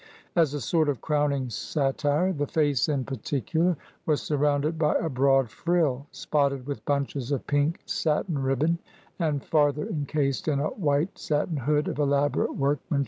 As a sort of crowning satire, the face in particular was surrounded by a broad frill, spotted with bunches of pink satin ribbon, and farther encased in a white satin hood of elaborate workmanship and fringes.